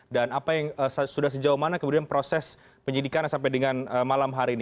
dan apa yang sudah sejauh mana kemudian proses penyidikan sampai dengan malam hari ini